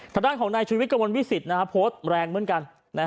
ทางด้านของนายชุวิตกระมวลวิสิตโพสต์แรงเหมือนกัน